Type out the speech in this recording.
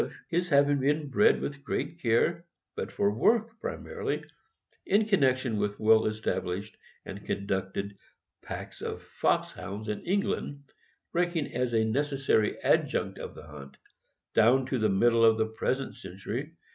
377 of his having been bred with great care, but for work, pri marily, in connection with well established and conducted packs of Foxhounds in England, ranking as a necessary adjunct of the hunt, down to the middle of the present century.